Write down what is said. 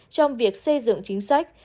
trong việc xây dựng chính sách